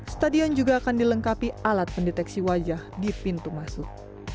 stadion juga akan dilengkapi alat pendeteksi wajah di pintu masuk